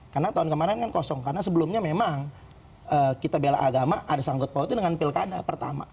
karena tahun kemarin kan kosong karena sebelumnya memang kita bela agama ada sanggup politik dengan pilkada pertama